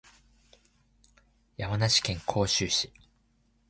山梨県甲州市